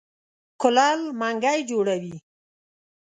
کولال منګی جوړوي.